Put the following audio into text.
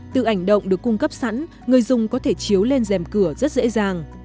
từ ảnh động được cung cấp sẵn người dùng có thể chiếu lên dèm cửa rất dễ dàng